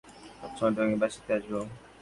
সবসময়ই তোমাকে বাঁচাতে আসবো।